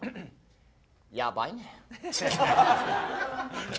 やばいね。